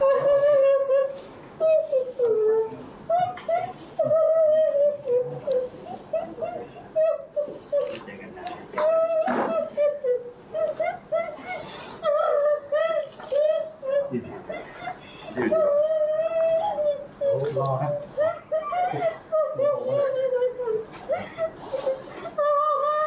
โอ้โฮรอครับ